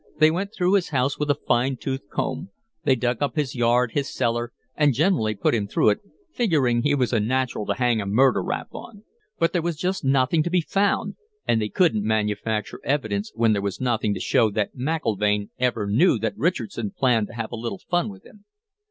They went through his house with a fine toothed comb. They dug up his yard, his cellar, and generally put him through it, figuring he was a natural to hang a murder rap on. But there was just nothing to be found, and they couldn't manufacture evidence when there was nothing to show that McIlvaine ever knew that Richardson planned to have a little fun with him.